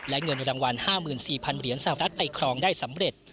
และเงินรางวัล๕๔๐๐เหรียญสหรัฐไปครองได้สำเร็จ